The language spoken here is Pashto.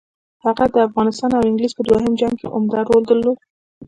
هغه د افغانستان او انګلیس په دوهم جنګ کې عمده رول درلود.